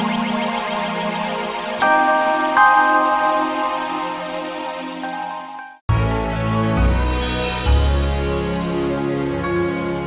jangan lupa like subscribe share dan share ya